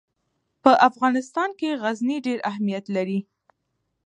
په افغانستان کې غزني ډېر اهمیت لري.